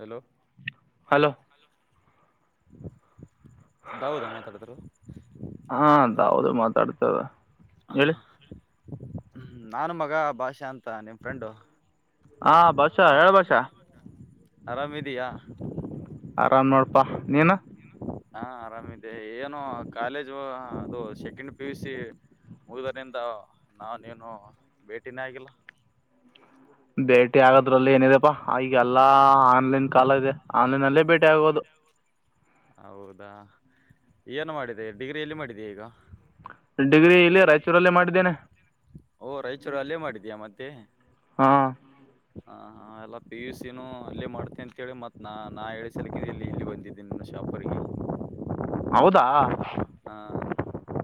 Hello? Hello [inaudible] ದೌದಾ ಮಾ, ತಾಡಿದ್ರು?? [inaudible] ಹಾ ಹೌದು ಮಾತಾಡ್ತದ ಹೇಳಿ ನಾನು, ಮಗ ಭಾಷಾ! ಅಂತ ನಿಮ್ ಫ್ರೆಂಡು? [inaudible] ಹಾ, ಬಷಾ ಹೇಳ ಬಷ? [inaudible] ಆರಾಮಿದಿಯಾ? [inaudible] ಆರಾಮ, ನೋಡಪ್ಪಾ. ನೀನು? [inaudible] ಹಾ ಆರಾಮಿದೆ ಏನು ಕಾಲೇಜು ಅದು ಸೆಕೆಂಡ್ ಪಿ ಯು ಸಿ ಮುಗದರಿಂದ ನಾವ ನೀನು ಭೇಟಿನೇ ಆಗಿಲ್ಲ ಭೇಟಿ ಆಗದ್ರಲ್ಲಿ ಏನಿದೆಪ್ಪಾ ಈಗಲ್ಲಾ ಆನ್ಲೈನ್ ಕಾಲ ಇದೆ ಆನ್ಲೈ ಅಲ್ಲೇ ಮಷ್ಟೆ ಆಗೋದು ಹೌದಾ ಏನು ಮಾಡಿದೆ ಡಿಗ್ರಿ ಎಲ್ಲಿ ಮಾಡಿದೀ ಈಗ. ಡಿಗ್ರಿ ಇಲ್ಲಿ ರಾಯಚೂರಲ್ಲೇ ಮಾಡಿದ್ದೇನೆ. ಓ ರಾಯಚೂರು ಅಲ್ಲೇ ಮಾಡಿದೀಯಾ ಹಾಂ. ಹಾ ಹಾ ಎಲ್ಲ ಪಿ ಯು ಸಿನೂ ಅಲ್ಲೇ ಮಾಡ್ತನ ಅಂತೇಳಿ ಮತ್ತೆ ನಾ ನಾ ಹೇಳಿ ಸಲಕಿದಿ ಇಲ್ಲಿ ಇಲ್ಲಿ ಬಂದಿದ್ದೀನಿ ನಿನ್ನ ಶಾಪರಿಗೆ. ಹೌದಾ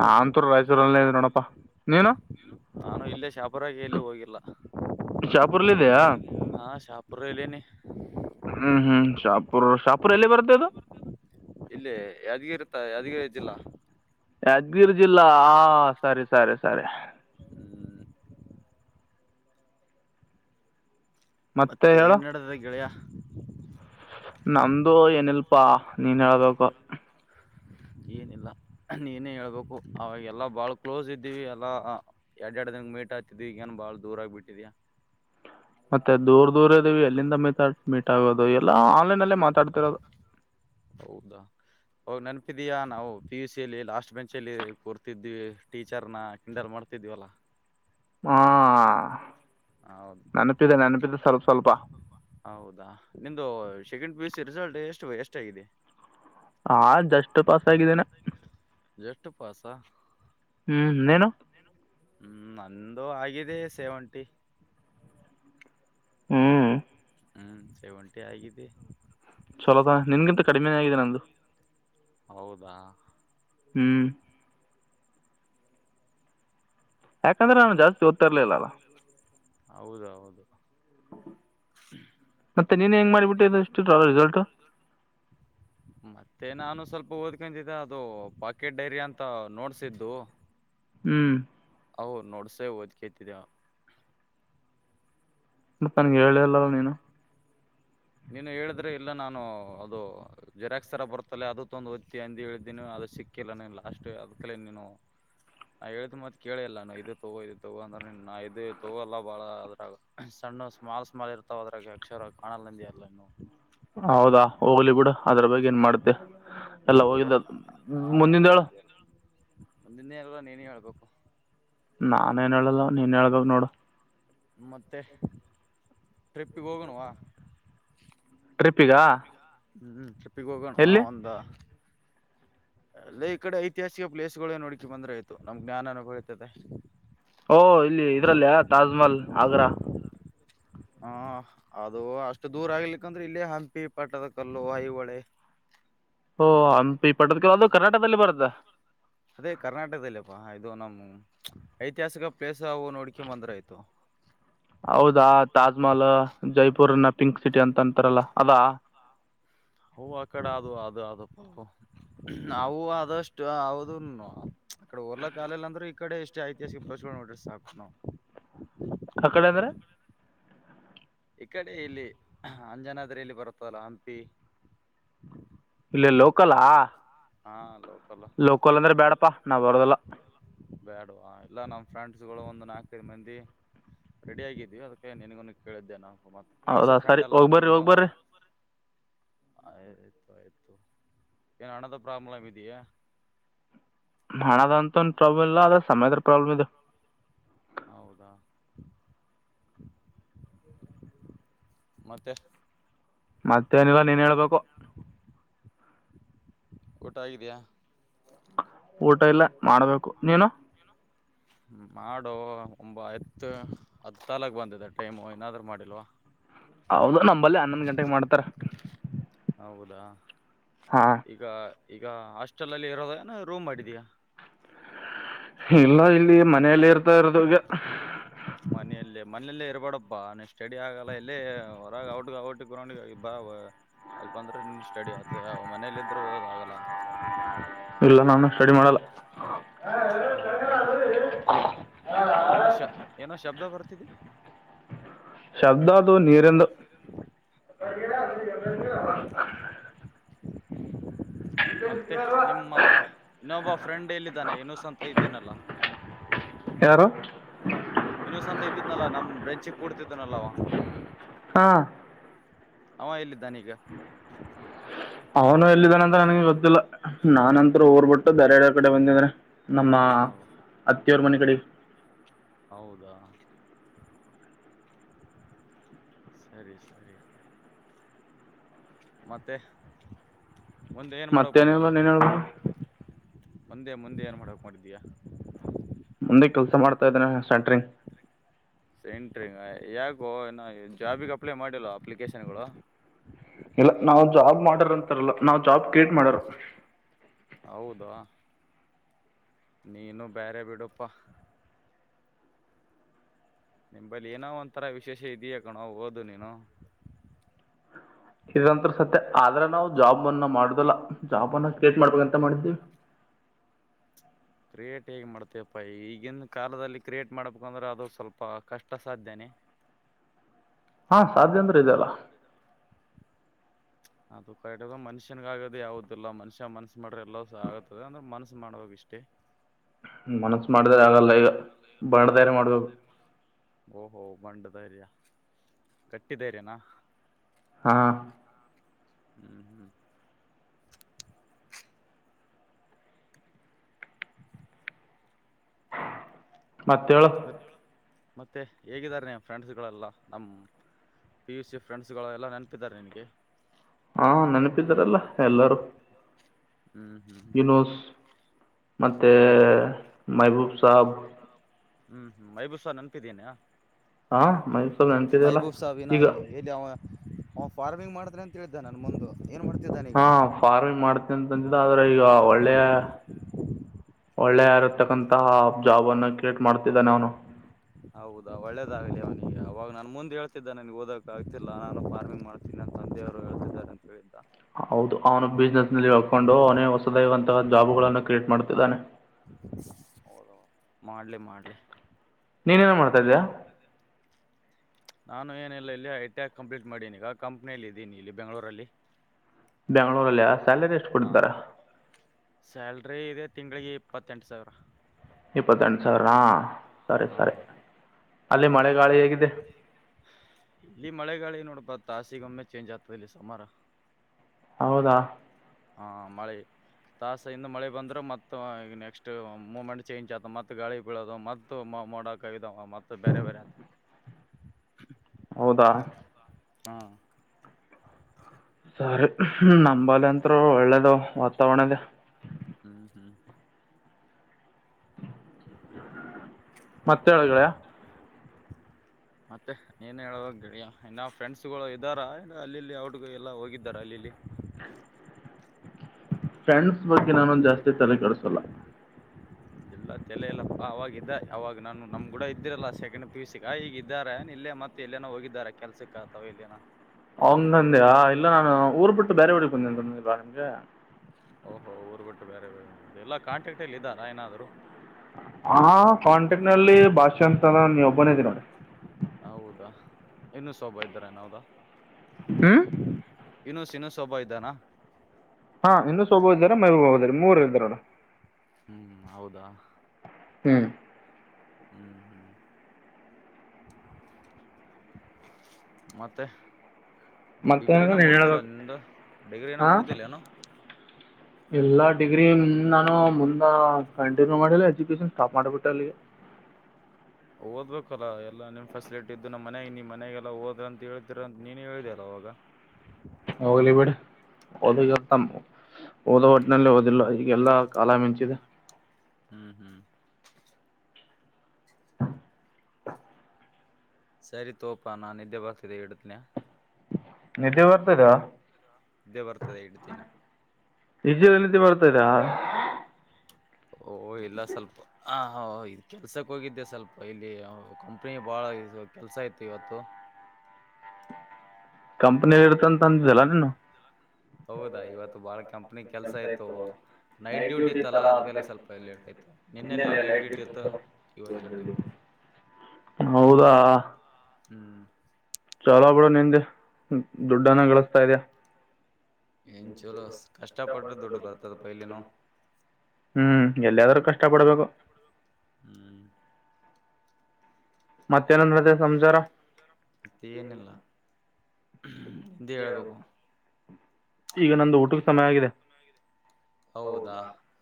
ನಾನ್. ಪ ರಾಯಚೂರಲ್ಲೇ ನೋಡಪ್ಪಾ ನೀನು. ನಾನು ಇಲ್ಲೇ ಶಾಪ. ಒಬ್ಬರಾಗ ಎಲ್ಲಿ ಹೋಗಿಲ್ಲ ಶಾಪುರ್ಲ್ಲ ಇದೆಯಾ ಹಾ ಶಾಪ್. ಬರಲಿ. ಹ್ಮ್ ಹ್ಮ್ ಸಪ. ಇಲ್ಲೇ ಯದಗ ಇರುತ್ತೆ. ಅಿಕ ಆಜಿಲ್ಲಾ. ಯಾದಗಿರಿ ಜಿಲ್ಲಾ ಹ ಸರಿ ಸರಿ ಸರಿ. ಹ್ಮ್ ಮತ್ತೆ ಏನ್ ನಡ್ದದ ಗೆಳಯ. ನಮ್ದು ಏನಿಲ್ಪಾ ನೀನ್ ಹೇಳ್ಬೇಕು ಏನಿಲ್ಲ ನೀನೇ ಹೇಳ್ಬೇಕು ಅವಾಗೆಲ್ಲಾ ಬಾಳ್ ಕ್ಲೋಸ್ ಇದ್ದೀವಿ ಎಲ್ಲಾ ಎರ್ಡ್ ಎರ್ಡ್ ದಿನಕ್ ಮೀಟ್ ಆತಿದ್ವಿ ಈಗ್ ಏನ್ ಬಾಳ ದೂರ ಆಗ್ಬಿಟ್ಟಿದ್ಯ. ಮತ್ತೆ ದೂರ್ ದೂರ್ ಇದ್ದೀವಿ ಎಲ್ಲಿಂದ ಮೀ ಮೀಟ್ ಆಗೋದು ಎಲ್ಲಾ ಆನ್ಲೈನ್ ಅಲ್ಲೇ ಮಾತಾಡ್ತಿರೋದು. ಹೌದಾ ಹು ನೆನ್ಪಿದ್ಯ ನಾವ್ ಪಿ ಯು ಸಿ ಯಲ್ಲಿ ಲಾಸ್ಟ್ ಬೆಂಚಲ್ಲಿ ಕೊರ್ತಿದ್ವಿ ಟೀಚರ್ನ ಕಿಂಡಲ್ ಮಾಡ್ತಿದ್ವಲ್ಲಾ. ಮಾ ಹ ಸ್ವಲ್ಪ ಹೌದು ನಿನ್ದು ಸೆಕೆಂಡ್ ಪಿ ಯು ಸ್ ರಿಸಲ್ಟ್ ಎಷ್ಟು ಎಷ್ಟ ಆಗಿದೆ. ಹ ಜಸ್ಟ್ ಪಾಸ್ ಆಗಿದ್ದೇನೆ. ಟ್ ಪಾಸ್ಸ. ಹ್ಮ್ ಇನ್ನೇನು. ಹ್ಮ್ ನಂದು ಆಗಿದೆ ಸೇವಂಟಿ. ಹ್ಮ್ ಹ್ಮ್ ಸೇವಂಟಿ ಆಗಿದೆ. ಚಲೋದ ನಿನ್ಗಿಂತ ಕಡಿಮೆನೇ ಆಗಿದೆ ನಂದು. ಹೌದಾ. ಹ್ಮ್ ಯಾಕಂದ್ರೆ ನಾನು ಜಾಸ್ತಿ ಒದತ್ತಿರ್ಲಿಲ್ಲ ಅಲ. ಹೌದೌದು. ಮತ್ತೆ ನೀನ್ ಹೆಂಗ್ ಮಾಡಿಬಿಟ್ಟಿದ್ದು ಇಷ್ಟು ರಿಸಲ್ಟ್ ಹ್ಮ ಮತ್ತೆ ನಾನು ಸ್ವಲ್ ಓದ್ಕಂತಿದೆ ಅದು ಪಾಕೆಟ್ ಡೈರಿ ಅಂತ ನೋಡ್ಸಿದ್ದು. ಹ್ಮ್ ಅವು ನೋಡ್ಸೇ ಓದ್ಕೇತಿದೆ. ಮತ್ ನನಿಗೆ ಹೆಲ್ನೆ ಇಲ್ಲಲ ನೀನು. ನೀನು ಹೇಳಿದ್ರೆ ಇಲ್ಲ ನಾನು ಅದು ಜೆರಾಕ್ಸ್ ತರ ಬರ್ತಲ್ಲ ಅದು ತಗೊಂಡ್ ಓದುತ್ತೀಯ ಅಂದ ಹೇಳ್ದೀನಿ ಅದು ಸಿಕ್ಕಿಲ್ಲ ನೀನ್ ಲಾಸ್ಟ್ ಅದ ಕಲ ನೀನು ನನ್ ಹೇಳ್ದ ಮತ್ ಕೇಳಿಲ್ಲಾ ಇದು ತಗೋ ಇದು ತಗೋ ಅಂದ್ರೆ ನಾ ಇದು ತಗೋಲ್ಲ ಬಾಳ ಅದ್ರಾಗ ಸಣ್ಣ ಸ್ಮಾಲ್ ಸ್ಮಾಲ್ ಇರ್ತಾವ ಅದ್ರಾಗ ಅಕ್ಷರ ಕಾಣಲ್ಲಂದ. ಲೆನು. ಹೌದಾ ಹೋಗ್ಲಿ ಬಿಡ ಅದ್ರ ಬಗ್ಗೆ ಏನ್ ಮಾಡ್ತ ಯ. ಎಲ್ಲ ಹೋಲಿವುಡ್ ಹೋಗಿದ್ದ ಮುಂದಿಂದು ಹೇಳು ಮುಂದಿನೇ ಯಲ್ಲ ನೀನೇ ಹೇಳ್ಬೇಕು ನಾನನ್ ಏನ್ ಹೇಳಲ್ಲ ನೀನ್ ಹೇಳ್ಬೇಕ್ ನೋಡು ಮತ್ತೆ ಟ್ರಿಪ್ಪಿಗೆ ಹೋಗಣವಾ ಟ್ರಿಪ್ಪಗಾ ಹ್ಮ್್ಮ ಪ್ಪಿಗೋನವ ಒಂದ ಅಲ್ಲೇ ಈ ಕಡೆ ಐತಿಹಾಸಿಕ ಪ್ಲೇಸ್ಗಳೇ ನೋಡ್ಕಿ ಬಂದ್ರೆ ಆಯ್ತು ನಮ್ಗ್ ಜ್ಞಾನ ಅನುಭವತದೆ ಓ ಇಲ್ಲಿ ಇದ್ರಲ್ಲಿಯ ತಾಜ್ಮಹಲ್ ಆಗ್ರ ಹಾ ಅದು ಅಷ್ಟು ದೂರ ಆಗ್ಲಿಕ್ಕಂದ್ರೆ ಇಲ್ಲೇ ಹಂಪಿ ಪಟ್ಟದ ಕಲ್ಲು ಹಐಹೊಳೆ ಓ ಈ ಪಟದ ಅದು ಕರ್ನಾಟಕದಲ್ಲಿ ಬರುತ್ತೆ ಅದೇ ಕರ್ನಾಟಕದಲ್ಲಿಪ್ಪಾ ಇದು ನಮ್ಮ ಐತಿಹಾಸಿಕ ಪ್ಲೇಸ್ ಅವು ನೋಡ್ಕೊ ಬಂದ್ರ ಆಯ್ತು ಹೌದಾ ತಾಜ್ಮಹಲ್ ಜೈಪುರ್ ನ ಪಿಂಕ್ ಸಿಟಿ ಅಂತ ಅಂತಾರಲ್ಲ ಅದಾ ಅವು ಅಕಡೆ ಅದು ಅದು ಅಪ್ಪ ಅವು ಆದಷ್ಟು ಹದ ಅಕಡೆ ಹೋರ್ಲಾ ಕಾಲಲ್ಲ ಅಂದ್ರೂ ಈಕಡೆ ಎಷ್ಟೇ ಐತಿಹಾಸಿಕ ಪ್ಲೇಸ್ ಗಳು ನೋಡಿರಿ ಸಾಕು ನವು ಅ ಕಡೆ ಅಂದ್ರೆ ಈ ಕಡೆ ಇಲ್ಲಿ ಅಂಜನಾದ್ರಲ್ಲಿ ಬರುತ್ತದಲ್ಲ ಹಂಪಿ ಇ ಲೋಕಲಾ ಹಾ ಲೋಕಲ್ ಲೋಕೋಲ್ ಅಂದ್ರೆ ಬ್ಯಾಡಪ್ಪಾ ನಾ ಬರದಲ್ಲ ಬೇಡವಾ ಇಲ್ಲ ನಮ್ಮ ಫ್ರೆಂಡ್ಸ್ಗಳು ಒಂದು ನಾಲ್ಕೈದು ಮಂದಿ ರೆಡಿ ಆಗಿದ್ವಿ ಅದಕ್ಕೆ ನಿನಗ ಕೇಳಿದ್ದೆ ನಾವು ಮತ್ ಪಿಯುಸಿ ಹೌದಾ ಫ್ರೆಂಡ್ ಸರಿ ಅಲ್ಲ ಹೋಗಿ ಬರ್ರಿ ನೀನು ಹೋಗಿ ಬರ್ರಿ ಆಯ್ತು ಆಯ್ತು ಏನು ಹಣದು ಪ್ರಾಬ್ಲಮ್ಮಿದಿಯಾ ಹಣದಂತ ಪ್ರಾಬ್ಲಮ್ ಇಲ್ಲ ಆದ್ರೆ ಸಮಯದ್ರ ಪ್ರಾಬ್ಲಮ್ ಇದೆ ಹೌದಾ ಮತ್ತೆ ಮತ್ತೇನಿಲ್ಲ ನೀನ್ ಹೇಳ್ಬೇಕು ಊಟ ಆಗಿದಯಾ ಊಟ ಇಲ್ಲ ಮಾಡ್ಬೇಕು ನೀನು ಮಾಡು ಒಂಬ ಐತ್ತು ಹತ್ತು ತಾಲಕ್ ಬಂದಿದೆ ಟೈಮು ಏನಾದ್ರೂ ಮಾಡಿಲ್ವ ಹೌದು ನಮ್ಮಂಬಲ್ಲಿ ಹನ್ನೊಂದ್ ಗಂಟೆಗೆ ಮಾಡ್ತಾರ ಹೌದಾ ಹಾಂ ಈಗ ಈಗ ಹಾಸ್ಟೆಲ್ ಅಲ್ಲಿ ಇರೋದಾನ ರೂಮ್ ಮಾಡಿದೀಯ. ಇಲ್ಲ ಇಲ್ಲಿ. ಮನೇೆಲ್ಲಿ ಇರ್ತಾ ಇರೋದು ಈಗ. ಬಡಪ್ಪಾ ನೀ ಸ್ಟಡಿ ಆಗಲ್ಲ ಇಲ್ಲಿ ಹೊರಗ ಔಟ್ ಔಟ್ ಗ್ರೌಂಡಿಗೆ ಬ ಅಲ್ ಬಂದು. ಸ್ಟಡಿ ಆಗ್ತದೆ ಮನೇಲಿ ಇದ್ರು ಓದದು ಆಗಲ್ಲ. ಲ. ಇಲ್ಲ ನಾನು. ಸ್ಟಡಿ ಮಾಡಲ್ಲ ಹೌದಾ ಏನೋ ಶ ಏನೋ ಶಬ್ದ ಬರ್ತ ತಿದೆ. ಶಬ್ದ ಅದು ನೀರೆಂದು. ಹೌದಾ ಮತ್ತೆ ನಿಮ್ಮ ಇನೋಬ ಫ್ರೆಂಡ್ ಎಲ್ಲಿದ್ದಾನೆ ಏನುಸ್ ಅಂತ ಇದೇನಲ್ಲ. ಯಾರು. ಯೂನಸ್ ಅಂತ ಇದ್ದಿದ್ನಾಲ ನಮ್ ಬೆಂಚಿ ಕೂಡ್ತಿದನಲ್ಲವ. ಹಾ ಅವ ಎಲ್ಲಿದ್ದಾನ ಈಗ. ಅವನು ಎಲ್ಲಿದ ನನಗೆ ಗೊತ್ತಿಲ್ಲ ನಾನಂತ್ರು ಊರ್ ಬಿಟ್ಟು ಬೇರೆ ಕಡೆ ಬಂದಿದ್ರೆ ನಮ್ಮ ಅತ್ತಿಯವರ ಮನಿ ಕಡೆ. ಹೌದಾ ಸರಿ ಸರಿ ಮತ್ತೆ. ಮುಂದೆ ಏನ್ ಮಾಡಕ್ ಮತ್ತೇನಿಲ್ಲ ಮಾಡಿದೀಯಾ ನೀನೆ ಹೇಳೋ. ಮುಂದೆ ಮುಂದೆ ಏನ್ ಮಾಡಕ್ ಮಾಡಿದ್ಯ. ಮುಂದೆ ಕೆಲ್ಸ ಮಾಡ್ತಾ ಇದ್ದೇನೆ ಸ್ಯಾಂಟ್ರಿಂಗ್. ಸಾನಿಟಾರಿಂಗ್ ಯಾಕೋ ಇನ್ನ್ ಜಾಬಿಗ್ ಇಲ್ಲ ನಾವು ಜಾಬ್ ಮಾಡಾರ ಅಂತಾರಲ್ಲ ನಾವ್ ಜಾಬ್ ಕ್ರಿಯೇಟ್ ಮಾಡರು. ಹೌದಾ ನೀನು ಬೇರೆ ಬಿಡುಪ್ಪಾ. ನಿಮಂಬಲ್ಲಿ ಏನೋ ಒಂತರ ವಿಶೇಷ ಇದ್ಯಾ ಕಣೋ ಓದು ನೀನು. ಇದಂತ ಸತ್ಯ ಆದ್ರೆ ನಾವು ಜಾಬ್ ಅನ್ನ ಮಾಡುದಲ್ಲಾ ಜಾಬ್ ಅನ್ನ ಕ್ರಿಯೇಟ್ ಮಾಡ್ಬೇಕ ಅಂತ ಮಾಡಿದ್ದೀವಿ. ಕ್ರಿಯೇಟ್ ಹೇಗ್ ಮಾಡ್ತೇಯಪ್ಪ ಈಗಿನ ಕಾಲದಲ್ಲಿ ಕ್ರಿಯೇಟ್ ಮಾಡ್ಬೇಕಂದ್ರೆ ಅದು ಸ್ವಲ್ಪ ಕಷ್ಟ ಸಾಧ್ಯನೆ. ಹಾ ಸಾಧ್ಯ ಅಂದ್ರ ಇದೆಯಲ್ಲ. ಅದು ಕರೆಕ್ಟ್ ಮನುಷ್ಯನ್ಗ ಆಗದ ಯಾವುದಿಲ್ಲಾ ಮನುಷ್ಯ ಮನ್ಸ ಮಾಡ್ರೆ ಎಲ್ಲವುಸ ಆಗುತ್ತೆ ಅಂದ್ರೆ ಮನ್ಸ ಮಾಡಬೇಕಷ್ಟೇ. ಮನ್ಸ ಮಾಡಿದ್ರೆ ಆಗಲ್ಲ ಈಗ ಬಂಡ್ ಧ್ಯರ್ಯ ಮಾಡ್ಬೇಕು. ಓಹೋ ಬಂಡ್ ಧೈರ್ಯ ಗಟ್ಟಿ ಧೈರ್ಯನಾ. ಹಾ ಹ್ಮ್ ಹ್ಮ್ ಮತ್ ಯೋಳು. ಮತ್ ಮತ್ತೆ ಹೇಗಿದ್ದಾರೆ ಫ್ರೆಂಡ್ಸ್ ಗಳೆಲ್ಲಾ ನಮ್ಮ್ ಪಿ ಯು ಸಿ ಫ್ರೆಂಡ್ಸ್ ಗಳೆಲ್ಲಾ ನೆನಪಿದಿದ್ದಾರೆ ನಿನಗೆ ಹಾ ನೆನಪಿದಾರಲ್ಲ ಎಲ್ಲಾರೂ ಹ್ಮ್ ಹ್ಮ್ ಹ್ಮ ಮತ್ತು ಮಹಬೂಬ ಸಾಬ್ ಹ್ಮ್ ಹ್ಮ್ ಮೈಬೂರ್ಸ ನೆನ್ಪಿದ್ದೇನಾ ಹಾ [unintelligible] ನೆನ್ಪಿದಲ್ಲ ಈಗ ಹ್ ಫಾರ್ಮಿಂಗ್ ಮಾಡತ್ರೆ ಅಂತ ಹೇಳಿದ್ದ ನನ್ ಮುಂದು ಏನ್ ಮಾಡ್ತಿದ್ದಾನ ಈಗ ಹಾ ಫಾರ್ಮಿಂಗ್ ಮಾಡ್ತ ಅಂತಂತಿದ ಆದ್ರೆ ಈಗ ಒಳ್ಳೆ ಒಳ್ಳೆಯ ಒಳ್ಳೆಯ ಇರತಕ್ಕಂತಥ ಜಾಬ್ ಅನ್ನು ಕ್ರಿಯೇಟ್ ಮಾಡ್ತಿದ್ದನೇ ಅವನು ಹೌದಾ ಒಳ್ಳೇದಾಗ್ಲಿ ಅವನಿಗೆ ಅವವಾಗ ನಾನನ್ ಮುಂದೆ ಹೇಳ್ತಿದ್ದ ನನ್ಗ್ ಓದಕ ಆಗ್ತಿಲ್ಲಾ ನಾನು ಫಾರ್ಮಿಂಗ್ ಮಾಡ್ತೀನಿ ನನ್ನ ತಂದೆಯವರು ಹೇಳ್ತಿದ್ದಾರೆ ಅಂತ ಹೇಳಿದ್ದ ಹೌದು ಅವನು ಬಿಸ್ನೆಸ್ ನಲ್ಲಿ ಹಕೊಂಡು ಅವನೇ ಹೊಸದವಂತಹ ಜಾಬುಗಳನ್ನು ಕ್ರಿಯೇಟ್ ಮಾಡ್ತಿದ್ದಾನೆ ಹ ಮಾಡ್ಲಿ ಮಾಡ್ಲಿ ನೀನೇನ ಮಾಡ್ತಾ ಇದಿದ್ದ್ಯಾ ನಾನು ಏನಿಲ್ಲ ಇಲ್ಲಿ ಐ ಟಿ ಆಕ್ ಕಂಪ್ಲೀಟ್ ಮಾಡೀನಿಗ ಕಂಪ್ನಿಯಲ್ಲಿ ಇದೀನಿ ಇಲ್ಲಿ ಬೆಂಗಳೂರಲ್ಲಿ ಬೆಂಗ್ಳೂರು ಅಲ್ಲಿಯ ಸ್ಯಾಲರಿ ಎಷ್ಟ ಹಾ ಕೊಡ್ತಾರೆ. ಸ್ಯಾಲ್ರಿ ಇದೆ ತಿಂಳಿಗೆ ಇಪ್ಪತ್ತೆಂಟು ಸಾವಿರ ಇಪ್ಪತ್ತಂ ಸಾವಿರಾ ಸರಿ ಸರಿ ಅಲ್ಲಿೇ ಮಳೆಗಾಿ ೆಳ ಇಲ್ಲಿ ಮಳೆಗಾಳಿ ನೋಡ್ಬಾ ತಾಸಿಗೊಮ್ಮೆ ಚೇಂಜ್ ಆಗ್ತದೆ ಇಲ್ಲಿ ಸಮಾರ ಹೌದಾ ಹಾ ಮಳೆ ತಾಸ ಹಿಂದ ಮಳೆ ಬಂದ್ರೆ ಮತ್ತ ಈಗ ನೆಕ್ಸ್ಟ್ ಮೂಮೆಂಟ್ ಚೇಂಜ್ ಆತ ಮತ್ತ ಗಾಳಿ ಬೀಳೋದು ಮತ್ತ ಮೋಡಕ ಮತ್ತೆ ಬೇರೆ ಬೇರೆ ಹತ ಹೌದಾ ಹಾ ಸರಿ ನಂಬಲ್ ಅತ್ರು ಒಳ್ಳೇದು ವಾತಾವರಣದ ಹ್ಮ್ ಹ್ಮ್ ಮತ್ತೆ ಆಳಗಳಾ ಮತ್ತೆ ಏನ್ ಹೇಳುವಾಗ ಗಡಿಯ ಇನ್ನ ಫ್ರೆಂಡ್ಸ್ಗಳು ಇದ್ದಾರ ಅಲ್ಲಿಲ್ಲಿ ಅವಔಟ್ಗ ಎಲ್ಲ ಹೋಗಿದ್ದಾರ ಅಲ್ಲಿಲ್ಲಿ ಫ್ರೆಂಡ್ಸ್ ಬಗ್ಗೆ ನಾನೊಂದ ಜಾಸ್ತಿ ತಲೆ ಕಡಸಲ್ಲ ಇಲ್ಲ ತಲ ಇಲ್ಲಪ್ಪಾ ಅವಾಗ ಇದ ಅವಾಗ ನಾನು ನಮ್ಗೂಡ ಇದ್ದಿರಲ್ಲ ಸೆಕೆಂಡ್ ಪಿ ಯು ಸಿಗ ಈಗ ಇದ್ದಾರೆ ಇಲ್ಲೇ ಮತ್ತೆ ಎಲ್ಲೇನೋ ಹೋಗಾರ ಕೆಲ್ಸಕ್ ಆಗ್ತವ ಇಲ್ಲನ ಅವನ್ ನಂದ್ಯಾ ಇಲ್ಲ ನಾನು ಊರ್ ಬಿಟ್ಟು ಬೇರೆ ಹೊಡ ಬಂದ ಬ ನಿಮ್ಗೆ ಓಹೋ ಊರು ಬಿಟ್ಟು ಬೇರೆ ಬ ಎಲ್ಲ ಕಾಂಟ್ಯಾಕ್ಟ್ಲ್ಲಿ ಇದ್ದಾರಾ ಏನಾದ್ರು ಹಾ ಕಾಂಟೆಕ್ಟ್ ನಲ್ಲಿ ಭಾಷೆ ಅಂತಾನ ನೀ ಒಬ್ಬನಿದ್ದೀ ನೋಡಿ ಇನ್ನು ಸ್ೋಭಾವ ಇದ್ದರ ನಾವದಾ ಹ್ಮ್ ಇನ್ನು ಸಿನ ಸೊಭಾ ಇದ್ದಾನ ಅೆ ಮೂರು ಇದ್ರೋಡ ಹ್ಮ್ ಹೌದಾ ಹ್ಮ್ ಹ್ಮ್ ಹ್ಮ್ ಮತ್ತೆ ಮತ್ತೇನಿಲ್ಲ ಡಿಗ್ರಿನ ನೀನು ಮುಗ್ದಿಲ್ಲ ಹೇಳ್ಬೇಕು ನಿ ಡಿಗ್ರಿನ ಮುಗ್ದಿಲ್ಲ ಏನೋ ಎಲ್ಲಾ ಡಿಗ್ರಿ್ ನಾನು ಮುಂದ ಕಂಟಿನ್ಯೂ ಮಾಡಿಲ್ಲ ಎಜುಕೇಶನ್ ಸ್ಟಾಪ್ ಮಾಡ್ಬಿಟ್ಟೆ ಅಲ್ಲಿ ಓದ್ಬೇಕಲ್ಲಾ ಎಲ್ಲಾ ನಿಮ್ ಫೆಸಿಲಿಟಿ ಇದ್ದು ನಮ್ಮ್ ಮನೆ ನಿ್ ಮನೆಗೆಲ್ಲಾ ಓದ್ರ ಅಂತ ಹೇಳ್ತಿೀರಂತ ನೀನೇ ಹೇಳಿದೆಲ್ಲ ಅವವಾಗ ಹೋಗ್ಲಿ ಬಿೇಡ ಓದ ಓದ ಒಟ್ಟಿನಲ್ಲಿ ಓದಿಲ್ಲ ಈಗೆಲ್ಲಾ ಕಾಲ ಮಿಂಚಿದೆ ಹ್ಮ್ ಹ್ಮ್ ಸರಿ ತೋಪ ನಾ ನಿದ್ದೆ ಬರ್ತಿದೆ ಹಿಡತನ್ಯ ನಿಧಿ ಬರ್ತದಾ ಇದ್ದೇ ಬರ್ತದೆ ಇಡ್ತೇನಿ ನಿಜ ರತಿ ಬರ್ತರಾ ಓಹ ಇಲ್ಲ ಸ್ವಲ್ಪ ಹಾ ಹ ಕೆಲ್ಸಕ್ ಹೋಗಿದ್ದೆ ಸ್ವಲ್ಪ ಇಲ್ಲಿ ಕಂಪ್ನಿ ಬಾಳ ಕೆಲ್ಸ ಆಯ್ತು ಇವತ್ತು ಕಂಪನಿ ಂ ಹೌದಾ ಇವತ್ತು ಬಾಳ ಕಂಪ್ನಿ ಕೆಲ್ಸ ಆಯ್ತು ನೈಟ್ ಡ್ಯೂಟಿ ಇತ್ತಲ್ಲಾ ಅದ್ಕ ಸ್ವಲ್ಪ ಲೇಟ್ ಆಯ್ತು ನಿನ್ನೆೆಯಲ್ಲಿ ಲೈಟ್ ಡ್ಯೂಟಿ ಇತ್ತು ಇವತ್ತು ಜಲ್ಿ ಹೌದಾ ಹ್ಮ್ ಚಲೋ ಬಿಡ ನಿ್ದೆ ದುಡ್ಡನ್ನ ಗಳಿಸಸ್ತಾ ಇದದೆ್ಯಾ ಏನ್ ಚಲೋ ಕಷ್ಟ ಪಟ್ರೆ ದುಡ್ಡು ಬರ್ತದಪ್ಪ ಇಲ್ಲಿನು ಹ್ಮ್ ಎಲ್ಲಯಾದ್ರೂ ಕಷ್ಟಪಡ್ಬೇಕು ಹ್ಮ್ ಮತ್ತೆನ ನತ್ತ ಸಂಸಾರ ಹೆ ಹೇಳ್ಬೇಕು ಈಗ ನಂದು ಊಟಕ್ಕೆ ಸಮಯ ಆಗಿದೆ ಹೌದಾ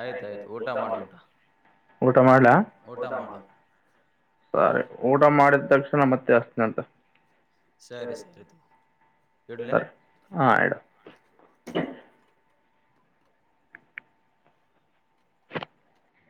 ಆಯ್ತಾಯ್ತು ಊಟ ಮಾಡು ಊಟ ಊಟ ಮಾಡಲಾ ಊಟ ಮಾಡು ಸರಿ ಊಟ ಮಾಡಿದ ತಕ್ಷಣ ಮತ್ತೆ ಜಸ್ನ ಅಂತ ಸರಿ ಸರಿದು ಸ ಆ ಆಡಾ